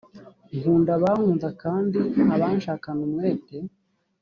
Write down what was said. nkunda abankunda kandi abanshakana umwete